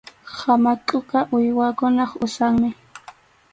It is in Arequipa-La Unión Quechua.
Hamakʼuqa uywakunap usanmi.